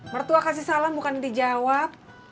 mertua kasih salam bukan dijawab